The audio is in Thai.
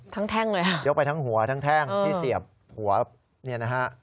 แท่งเลยค่ะยกไปทั้งหัวทั้งแท่งที่เสียบหัวเนี่ยนะฮะ